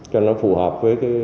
cho nó phù hợp